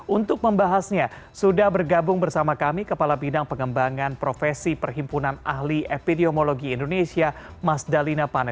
untuk membahasnya sudah bergabung bersama kami kepala bidang pengembangan profesi perhimpunan ahli epidemiologi indonesia mas dalina pane